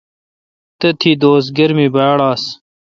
تھتی دوس گرمی باڑ آس۔